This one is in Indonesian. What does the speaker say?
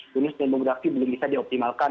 bonus demografi belum bisa dioptimalkan